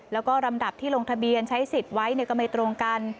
แล้วก็ลำดับที่ลงทะเบียนใช้สิทธิ์ไว้ก็ไม่ตรงกัน